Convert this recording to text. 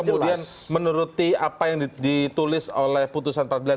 kalau kemudian menuruti apa yang ditulis oleh putusan perapradilan